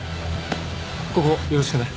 ここよろしくね。